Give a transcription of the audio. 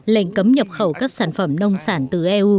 lệnh cấm nhập khẩu các sản phẩm nông sản từ eu